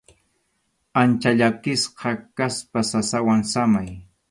Ancha llakisqa kaspa sasawan samay.